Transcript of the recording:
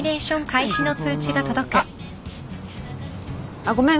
あっごめん。